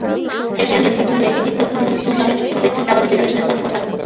Asian গেমসের জন্য এটিকে প্রস্তুতিমূলক টুর্নামেন্ট হিসেবেই দেখছেন কাবাডি ফেডারেশনের কর্মকর্তারা।